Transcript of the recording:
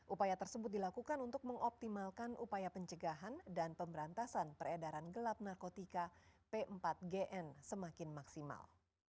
upaya tersebut dilakukan untuk mengoptimalkan upaya pencegahan dan pemberantasan peredaran gelap narkotika p empat gn semakin maksimal